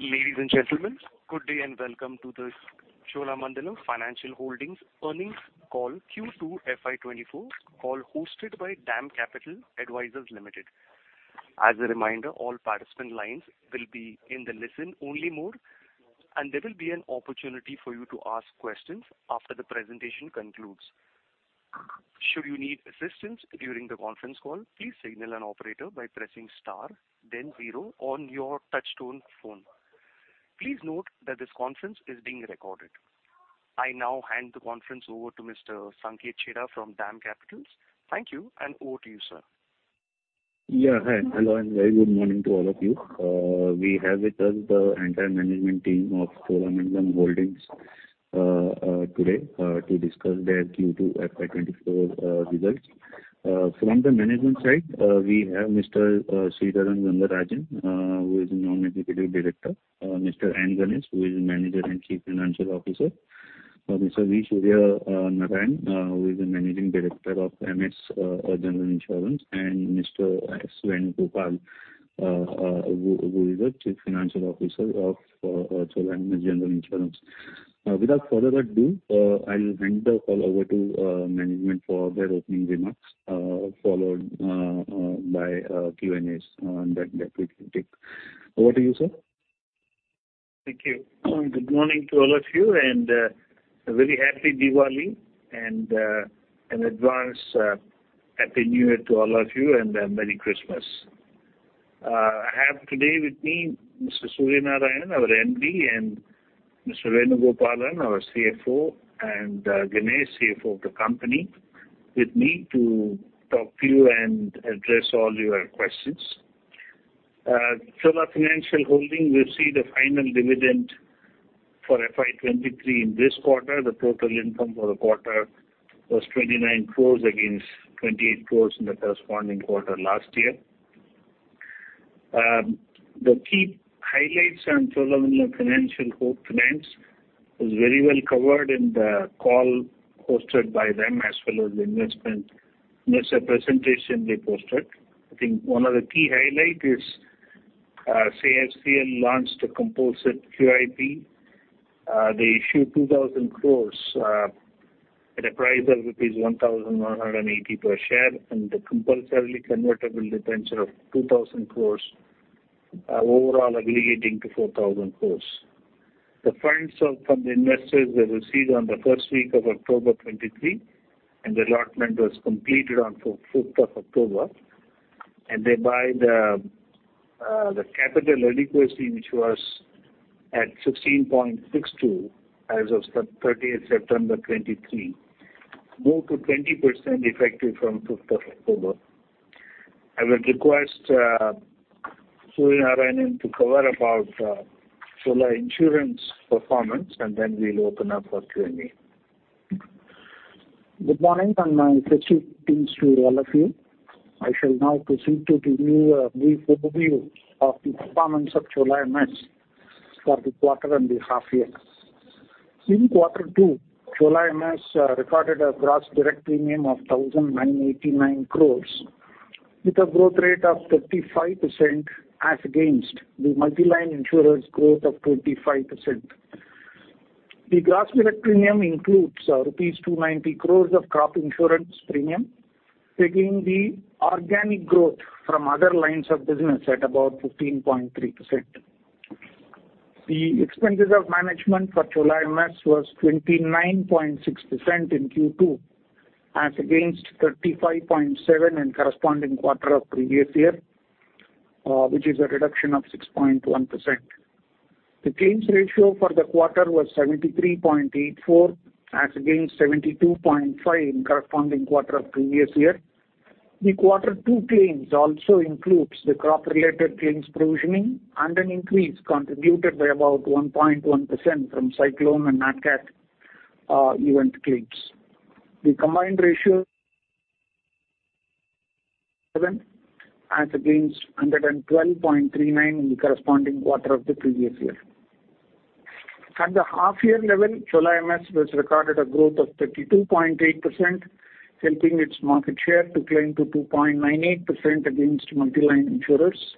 Ladies and gentlemen, good day, and welcome to the Cholamandalam Financial Holdings earnings call, Q2 FY 2024, call hosted by DAM Capital Advisors Limited. As a reminder, all participant lines will be in the listen-only mode, and there will be an opportunity for you to ask questions after the presentation concludes. Should you need assistance during the conference call, please signal an operator by pressing star, then zero on your touchtone phone. Please note that this conference is being recorded. I now hand the conference over to Mr. Sanket Chheda from DAM Capital. Thank you, and over to you, sir. Yeah, hi. Hello, and very good morning to all of you. We have with us the entire management team of Cholamandalam Financial Holdings today to discuss their Q2 FY 2024 results. From the management side, we have Mr. Sridharan Rangarajan, who is the Non-Executive Director, Mr. N. Ganesh, who is the Manager and Chief Financial Officer, Mr. V. Suryanarayanan, who is the Managing Director of Chola MS General Insurance, and Mr. S. Venugopalan, who is the Chief Financial Officer of Chola MS General Insurance. Without further ado, I'll hand the call over to management for their opening remarks, followed by Q&As that we can take. Over to you, sir. Thank you. Good morning to all of you, and a very happy Diwali, and an advance Happy New Year to all of you, and Merry Christmas. I have today with me Mr. V. Suryanarayanan, our MD, and Mr. S. Venugopal, our CFO, and N. Ganesh, CFO of the company, with me to talk to you and address all your questions. Chola Financial Holdings, we see the final dividend for FY 2023 in this quarter. The total income for the quarter was 29 crores against 28 crores in the corresponding quarter last year. The key highlights on Chola Finance is very well covered in the call hosted by them, as well as the investor presentation they posted. I think one of the key highlight is, CIFCL launched a composite QIP. They issued 2,000 crore at a price of rupees 1,180 per share, and the Compulsorily Convertible Debenture of 2,000 crore, overall aggregating to 4,000 crore. The funds are from the investors they received on the first week of October 2023, and the allotment was completed on fourth of October. And they buy the, the capital adequacy, which was at 16.62 as of 30th September 2023, more to 20% effective from 5th of October. I would request, Suryanarayanan to cover about, Chola Insurance performance, and then we'll open up for Q&A. Good morning, and my wishes to all of you. I shall now proceed to give you a brief overview of the performance of Chola MS for the quarter and the half year. In quarter two, Chola MS recorded a gross direct premium of 1,089 crores, with a growth rate of 35% as against the multi-line insurers' growth of 25%. The gross direct premium includes rupees 290 crores of crop insurance premium, taking the organic growth from other lines of business at about 15.3%. The expenses of management for Chola MS was 29.6% in Q2, as against 35.7% in corresponding quarter of previous year, which is a reduction of 6.1%. The claims ratio for the quarter was 73.84%, as against 72.5% in corresponding quarter of previous year. The quarter two claims also includes the crop-related claims provisioning and an increase contributed by about 1.1% from cyclone and Nat Cat event claims. The combined ratio, as against 112.39 in the corresponding quarter of the previous year. At the half year level, Chola MS has recorded a growth of 32.8%, helping its market share to climb to 2.98% against multi-line insurers.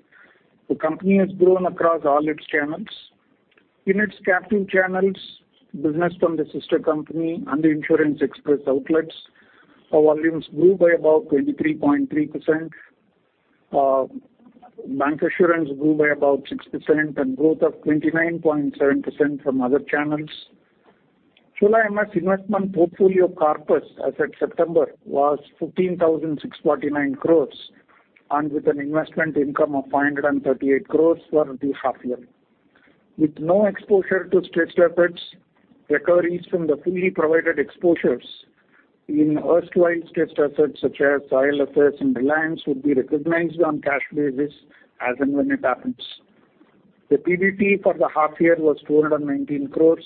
The company has grown across all its channels. In its captive channels, business from the sister company and the Insurance Express outlets, our volumes grew by about 23.3%. Bancassurance grew by about 6% and growth of 29.7% from other channels. Chola MS investment portfolio corpus, as at September, was 15,649 crores, and with an investment income of 538 crores for the half year. With no exposure to stretched assets, recoveries from the fully provided exposures in erstwhile stretched assets, such as IL&FS and Reliance, would be recognized on cash basis as and when it happens. The PBT for the half year was 219 crores,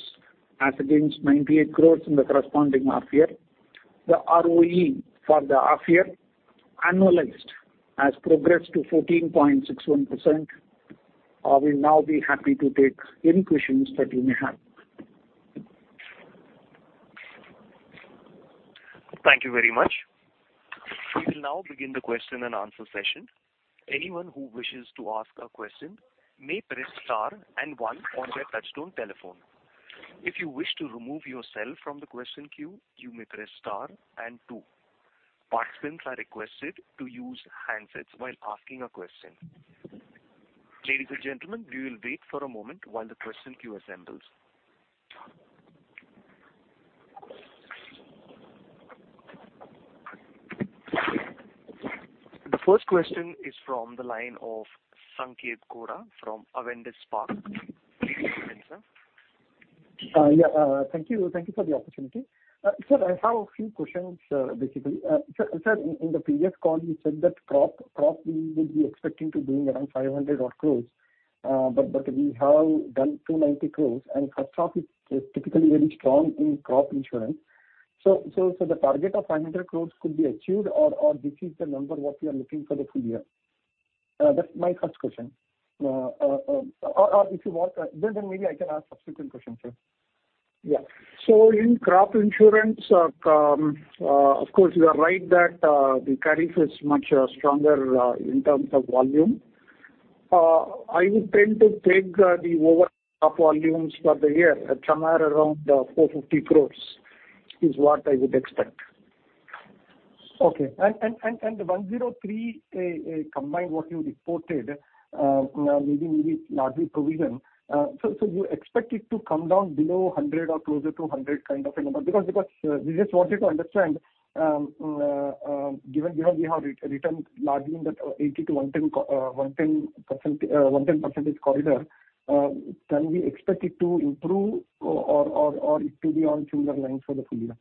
as against 98 crores in the corresponding half year. The ROE for the half year, annualized, has progressed to 14.61%. I will now be happy to take any questions that you may have. ...Thank you very much. We will now begin the question and answer session. Anyone who wishes to ask a question may press star and one on their touch-tone telephone. If you wish to remove yourself from the question queue, you may press star and two. Participants are requested to use handsets while asking a question. Ladies and gentlemen, we will wait for a moment while the question queue assembles. The first question is from the line of Sanket Godha, from Avendus Spark. Please go ahead, sir. Yeah, thank you. Thank you for the opportunity. Sir, I have a few questions, basically. Sir, in the previous call, you said that crop we will be expecting to doing around 500 odd crores, but we have done 290 crores, and first crop is typically very strong in crop insurance. So, the target of 500 crores could be achieved or this is the number what we are looking for the full year? That's my first question. Or, if you want, then maybe I can ask subsequent questions, sir. Yeah. So in Crop Insurance, of course, you are right that the Kharif is much stronger in terms of volume. I would tend to take the overall top volumes for the year at somewhere around 450 crore, is what I would expect. Okay. And the 103 combined what you reported, maybe largely provision. So you expect it to come down below 100 or closer to 100 kind of a number? Because we just wanted to understand, given because we have returned largely in the 80%-110%, 110 percentage corridor, can we expect it to improve or it to be on similar lines for the full year?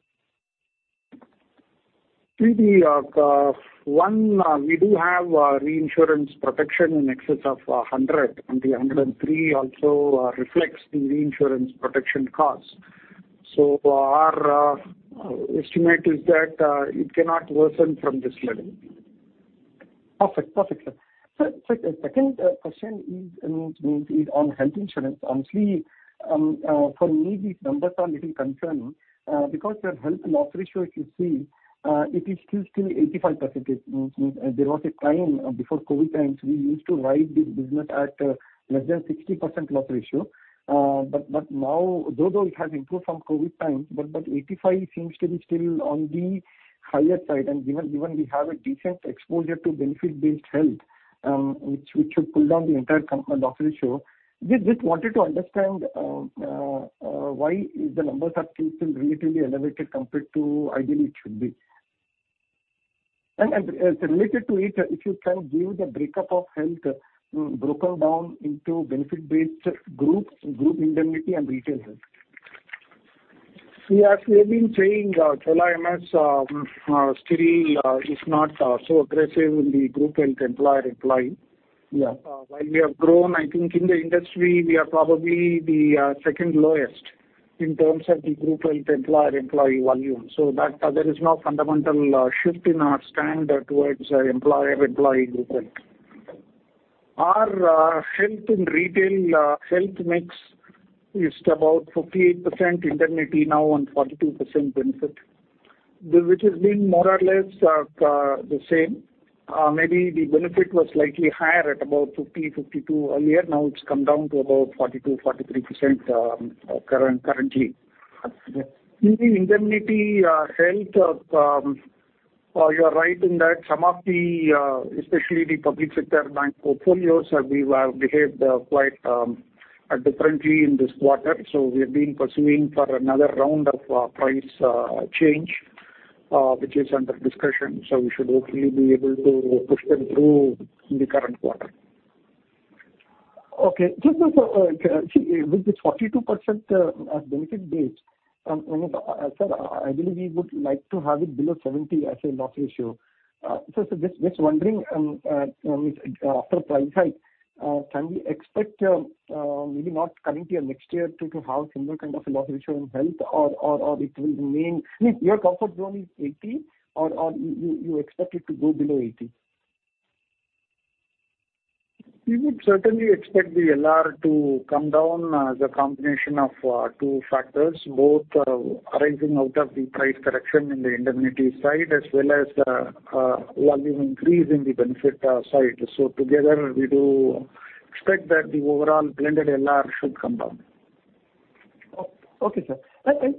See, the one we do have reinsurance protection in excess of 100, and the 103 also reflects the reinsurance protection cost. So our estimate is that it cannot worsen from this level. Perfect. Perfect, sir. Sir, sir, the second question is on health insurance. Honestly, for me, these numbers are little concerning, because your health loss ratio, if you see, it is still, still 85%. Mm-mm. There was a time before COVID times, we used to write this business at less than 60% loss ratio. But now, though it has improved from COVID times, but 85 seems to be still on the higher side. And given we have a decent exposure to benefit-based health, which should pull down the entire company loss ratio. We just wanted to understand why the numbers are still relatively elevated compared to ideally it should be? Related to it, if you can give the breakup of health, broken down into benefit-based groups, group indemnity and retail health. We have been saying, Chola MS still is not so aggressive in the group health employer employee. Yeah. While we have grown, I think in the industry, we are probably the second lowest in terms of the group health employer-employee volume. So that there is no fundamental shift in our stand towards employer-employee group health. Our health in retail health mix is about 48% indemnity now and 42% benefit. Which has been more or less the same. Maybe the benefit was slightly higher at about 50, 52 earlier. Now it's come down to about 42, 43%, currently. Okay. In the indemnity health, you are right in that some of the especially the public sector bank portfolios, we have behaved quite differently in this quarter. So we've been pursuing for another round of price change, which is under discussion. So we should hopefully be able to push them through in the current quarter. Okay. Just as, see, with this 42% as benefit base, sir, I believe we would like to have it below 70 as a loss ratio. So, just wondering, after price hike, can we expect, maybe not current year, next year, to have similar kind of a loss ratio in health or, or it will remain... I mean, your comfort zone is 80 or, you expect it to go below 80? We would certainly expect the LR to come down, as a combination of two factors, both arising out of the price correction in the indemnity side as well as volume increase in the benefit side. So together, we do expect that the overall blended LR should come down. Okay, sir. And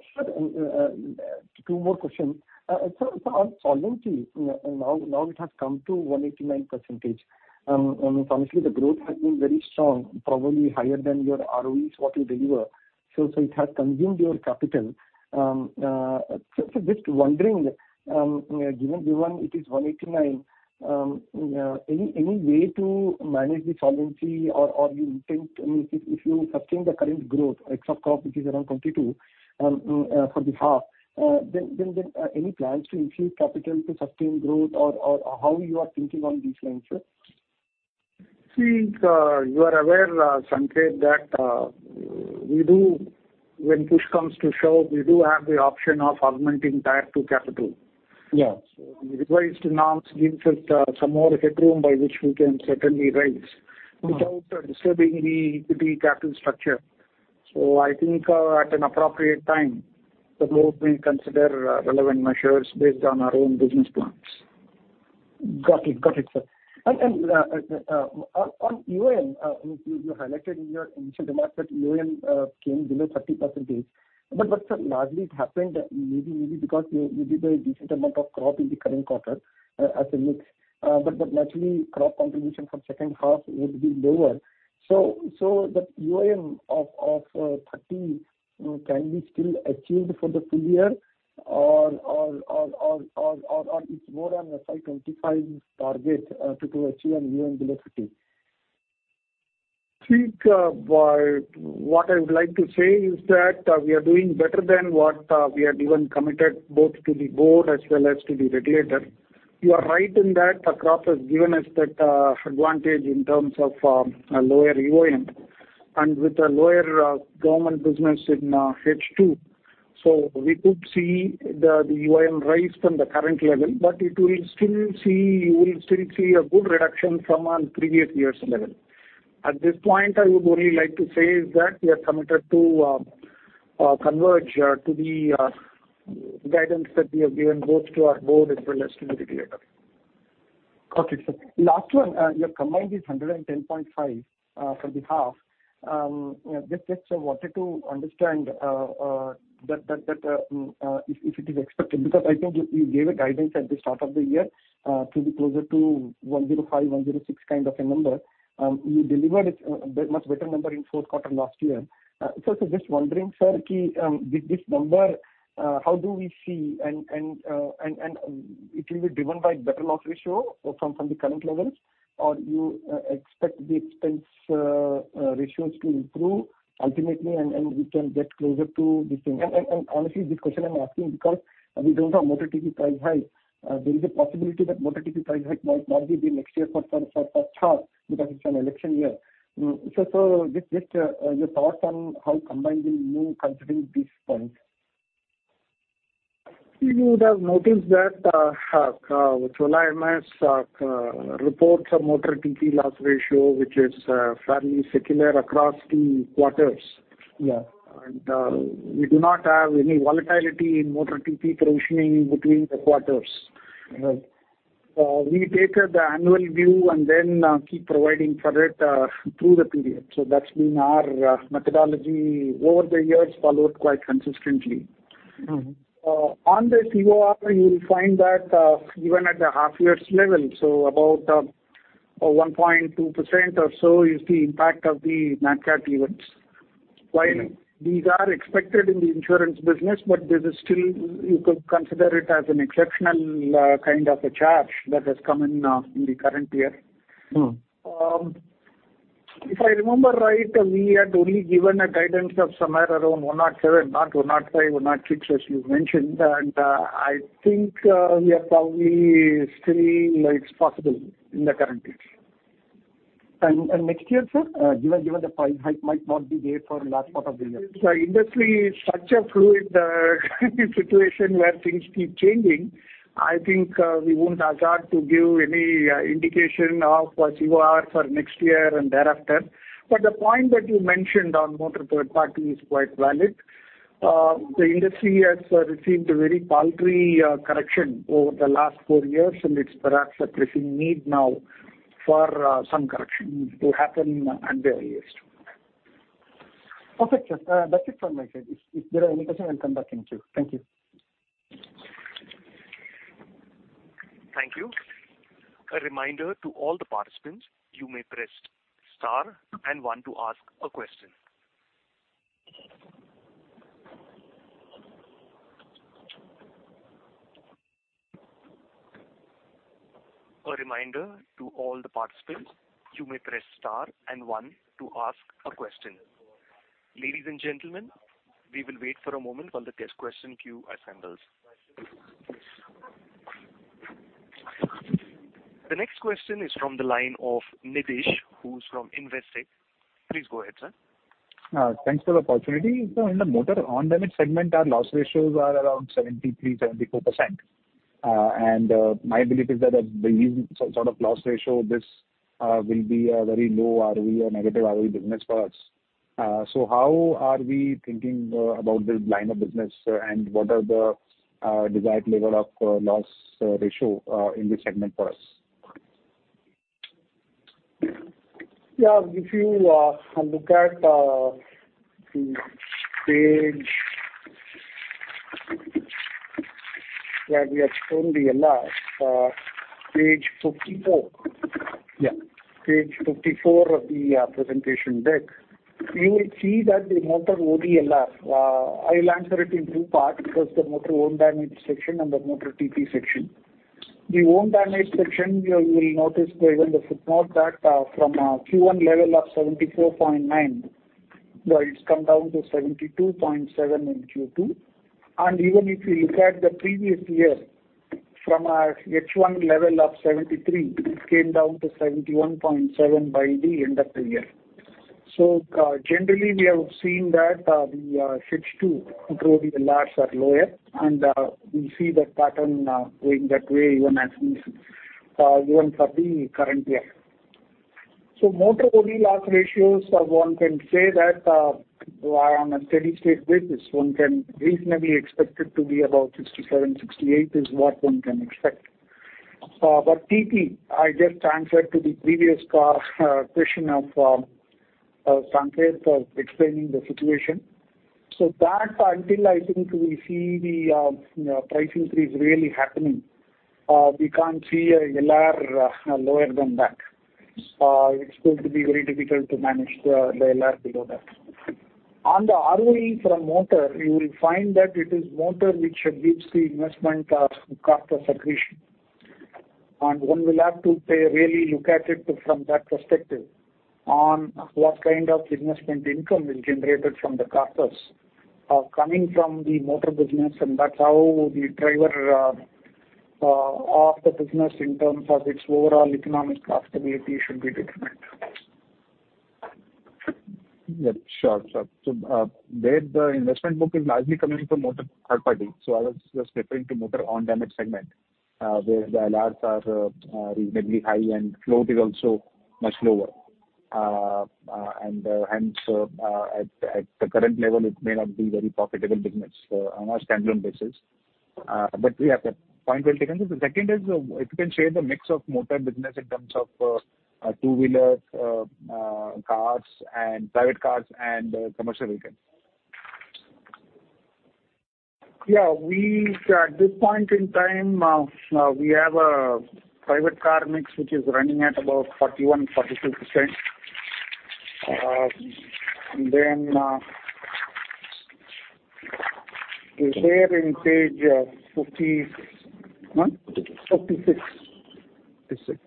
two more questions. Sir, so our solvency now it has come to 189%. Honestly, the growth has been very strong, probably higher than your ROEs what you deliver. So it has consumed your capital. So just wondering, given it is 189%, any way to manage the solvency or you intend, I mean, if you sustain the current growth, except crop, which is around 22, for the half, then any plans to increase capital to sustain growth or how you are thinking on these lines, sir? See, you are aware, Sanket, that we do, when push comes to shove, we do have the option of augmenting Tier 2 Capital. Yeah. So revised norms gives us some more headroom by which we can certainly raise- Mm-hmm. -without disturbing any equity capital structure.... So I think, at an appropriate time, the board will consider relevant measures based on our own business plans. Got it. Got it, sir. And on UIN, you highlighted in your initial remarks that UIN came below 30%. But sir, largely it happened maybe because you did a decent amount of crop in the current quarter as a mix. But naturally, crop contribution from second half would be lower. So that UIN of 30 can be still achieved for the full year or it's more on a side 25 target to achieve an UIN below 50? I think, what I would like to say is that, we are doing better than what, we had even committed both to the board as well as to the regulator. You are right in that the crop has given us that, advantage in terms of, a lower UIN and with a lower, government business in, H2. So we could see the UIN rise from the current level, but it will still see-- you will still see a good reduction from on previous years' level. At this point, I would only like to say is that we are committed to, converge, to the, guidance that we have given both to our board as well as to the regulator. Okay, sir. Last one, your combined is 110.5 for the half. Just wanted to understand that if it is expected, because I think you gave a guidance at the start of the year to be closer to 105, 106, kind of a number. You delivered a much better number in fourth quarter last year. So just wondering, sir, this number, how do we see? And it will be driven by better loss ratio or from the current levels, or you expect the expense ratios to improve ultimately, and we can get closer to this thing. And honestly, this question I'm asking because we don't have motor TP price hike. There is a possibility that motor TP price hike might not be there next year for Chola, because it's an election year. So just your thoughts on how combined will move considering these points. You would have noticed that, with MS reports a motor TP loss ratio, which is fairly secular across the quarters. Yeah. We do not have any volatility in motor TP provisioning between the quarters. Right. We take the annual view and then keep providing for it through the period. So that's been our methodology over the years, followed quite consistently. Mm-hmm. On the COR, you will find that, even at the half year's level, so about 1.2% or so is the impact of the nat cat events. Mm. While these are expected in the insurance business, but this is still, you could consider it as an exceptional, kind of a charge that has come in, in the current year. Mm. If I remember right, we had only given a guidance of somewhere around 107, not 105, 106, as you mentioned. And, I think, we are probably still, it's possible in the current case. Next year, sir, given the price hike might not be there for the last part of the year? Industry is such a fluid situation where things keep changing. I think, we won't hazard to give any indication of what you are for next year and thereafter. But the point that you mentioned on motor third party is quite valid. The industry has received a very paltry correction over the last four years, and it's perhaps a pressing need now for some correction to happen at the earliest. Perfect, sir. That's it from my side. If there are any questions, I'll come back in to you. Thank you. Thank you. A reminder to all the participants, you may press Star and One to ask a question. A reminder to all the participants, you may press Star and One to ask a question. Ladies and gentlemen, we will wait for a moment while the next question queue assembles. The next question is from the line of Nidhesh, who's from Investec. Please go ahead, sir. Thanks for the opportunity. So in the motor own damage segment, our loss ratios are around 73%-74%. And my belief is that the sort of loss ratio, this, will be a very low ROE or negative ROE business for us. So how are we thinking about this line of business, and what are the desired level of loss ratio in this segment for us? Yeah. If you look at the page where we have shown the LR, page 54. Yeah. Page 54 of the presentation deck, you will see that the motor OD LR. I'll answer it in two parts, because the motor own damage section and the motor TP section. The own damage section, you will notice there in the footnote that from Q1 level of 74.9, it's come down to 72.7 in Q2. And even if you look at the previous year, from a H1 level of 73, it came down to 71.7 by the end of the year. So, generally, we have seen that the H2 growth in the LRs are lower, and we see that pattern going that way even for the current year. So motor only loss ratios, one can say that, on a steady state basis, one can reasonably expect it to be about 67%-68%, is what one can expect. But TP, I just answered to the previous question of Sanket, explaining the situation. So that, until I think we see the pricing fees really happening, we can't see a LR lower than that. It's going to be very difficult to manage the LR below that. On the ROE from motor, you will find that it is motor which gives the investment corpus segregation. One will have to, say, really look at it from that perspective on what kind of investment income is generated from the premiums coming from the motor business, and that's how the driver of the business in terms of its overall economic profitability should be determined. Yep, sure, sure. So, where the investment book is largely coming from motor third party. So I was just referring to motor own damage segment, where the LRs are reasonably high and flow is also much lower. And so, at the current level, it may not be very profitable business on a standalone basis. But we have the point well taken. The second is, if you can share the mix of motor business in terms of two-wheeler, cars and private cars and commercial vehicles. Yeah, we at this point in time, we have a private car mix, which is running at about 41%-42%. Then, it's there in page 50- 51? 56. 56.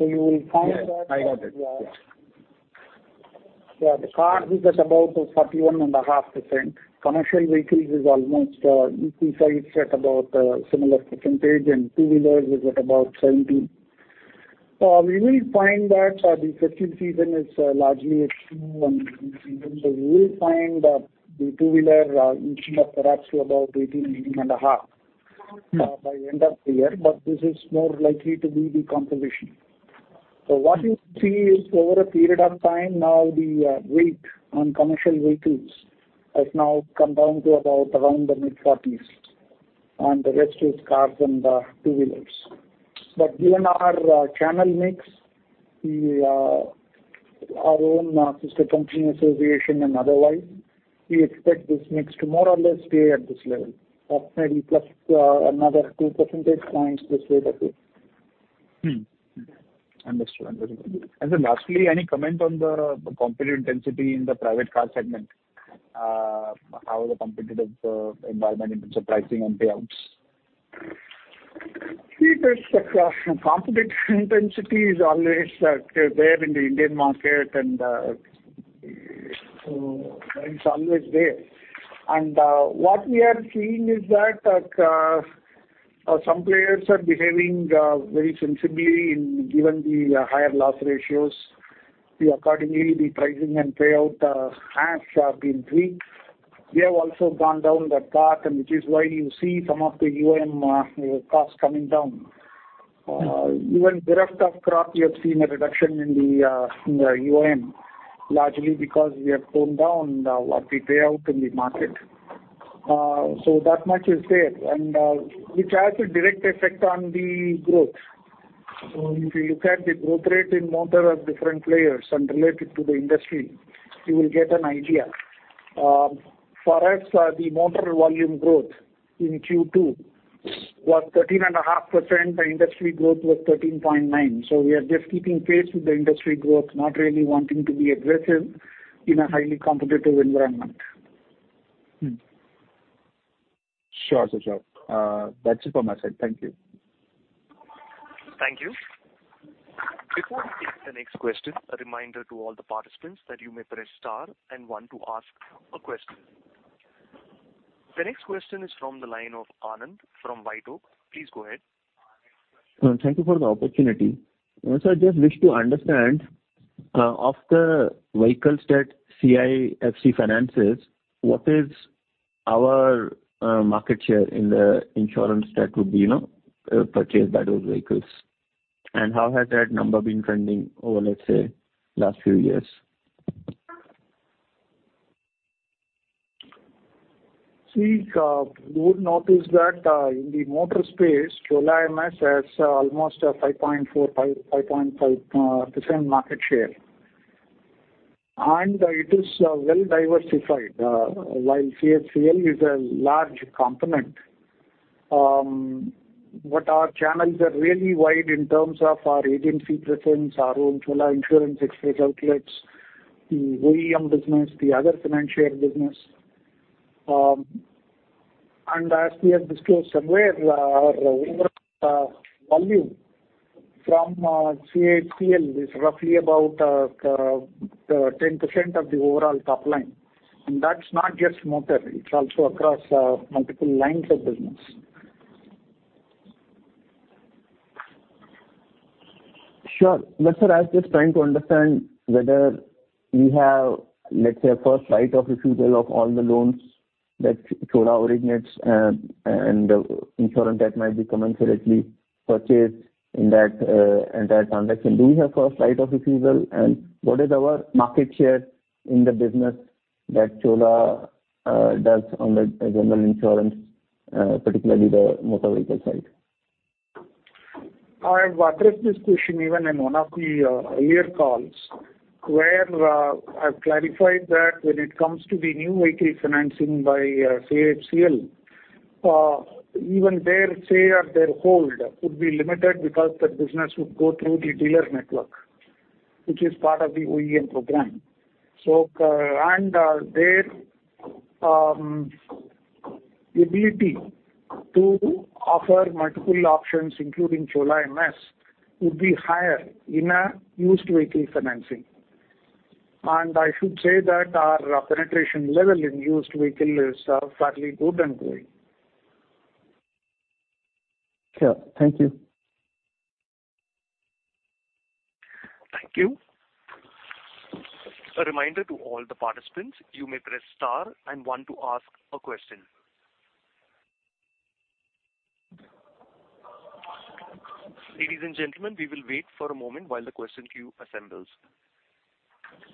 You will find that- Yeah, I got it. Yeah. Yeah, the car is at about 41.5%. Commercial vehicles is almost equal size at about similar percentage, and two-wheeler is at about 17%. We will find that the is largely at two, and so we will find that the two-wheeler inching up perhaps to about 18, 18.5 by end of the year, but this is more likely to be the composition. So what you see is over a period of time now, the weight on commercial vehicles has now come down to about around the mid-40s, and the rest is cars and two-wheelers. But given our channel mix, we our own sister company association and otherwise, we expect this mix to more or less stay at this level, possibly plus another two percentage points this way, that way. Hmm. Understood, understood. And then lastly, any comment on the competitive intensity in the private car segment? How is the competitive environment in terms of pricing and payouts? See, this, the competitive intensity is always there in the Indian market, and so it's always there. And what we are seeing is that some players are behaving very sensibly in given the higher loss ratios. Accordingly, the pricing and payout has been tweaked. We have also gone down that path, and which is why you see some of the UAM costs coming down. Even bereft of crop, we have seen a reduction in the UAM, largely because we have toned down the payout in the market. So that much is there, and which has a direct effect on the growth. So if you look at the growth rate in motor of different players and relate it to the industry, you will get an idea. For us, the motor volume growth in Q2 was 13.5%. The industry growth was 13.9. So we are just keeping pace with the industry growth, not really wanting to be aggressive in a highly competitive environment. Sure, sure, sure. That's it from my side. Thank you. Thank you. Before we take the next question, a reminder to all the participants that you may press star and one to ask a question. The next question is from the line of Anand from Wipro. Please go ahead. Thank you for the opportunity. Also, I just wish to understand, of the vehicles that CIFCL finances, what is our, market share in the insurance that would be, you know, purchased by those vehicles? And how has that number been trending over, let's say, last few years? See, you would notice that, in the motor space, Chola MS has almost a 5.45-5.5% market share. It is well diversified, while CHCL is a large component, but our channels are really wide in terms of our agency presence, our own Chola Insurance Express outlets, the OEM business, the other financial business. And as we have disclosed somewhere, our overall volume from CHCL is roughly about 10% of the overall top line, and that's not just motor, it's also across multiple lines of business.... Sure. But sir, I was just trying to understand whether you have, let's say, a first right of refusal of all the loans that Chola originates, and insurance that might be commensurately purchased in that entire transaction. Do you have first right of refusal, and what is our market share in the business that Chola does on the general insurance, particularly the motor vehicle side? I have addressed this question even in one of the year calls, where I've clarified that when it comes to the new vehicle financing by CHCL, even their share, their hold would be limited because that business would go through the dealer network, which is part of the OEM program. So, and their ability to offer multiple options, including Chola MS, would be higher in a used vehicle financing. And I should say that our penetration level in used vehicle is fairly good and growing. Sure. Thank you. Thank you. A reminder to all the participants, you may press star and one to ask a question. Ladies and gentlemen, we will wait for a moment while the question queue assembles.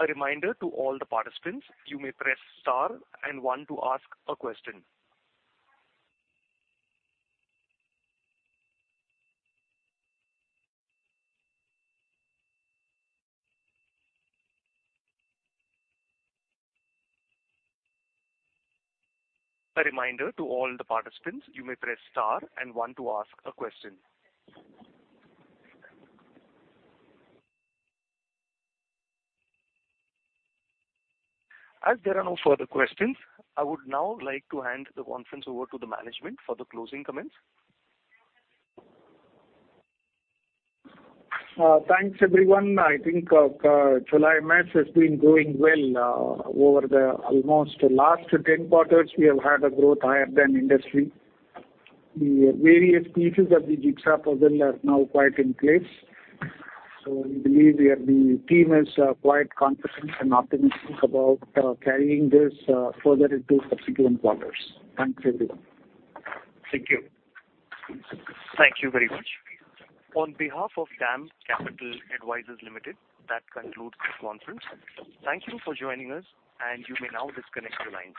A reminder to all the participants, you may press star and one to ask a question. A reminder to all the participants, you may press star and one to ask a question. As there are no further questions, I would now like to hand the conference over to the management for the closing comments. Thanks, everyone. I think, Chola MS has been doing well, over the almost last 10 quarters, we have had a growth higher than industry. The various pieces of the jigsaw puzzle are now quite in place, so we believe we are, the team is, quite confident and optimistic about, carrying this, further into subsequent quarters. Thanks, everyone. Thank you. Thank you very much. On behalf of DAM Capital Advisors Limited, that concludes this conference. Thank you for joining us, and you may now disconnect your lines.